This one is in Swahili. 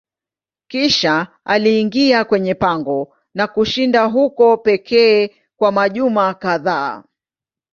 Kisha aliingia kwenye pango na kushinda huko pekee kwa majuma kadhaa.